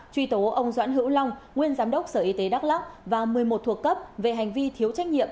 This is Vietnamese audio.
truy tố ông doãn hữu long nguyên giám đốc sở y tế đắk lóc và một mươi một thuộc cấp về hành vi thiếu trách nhiệm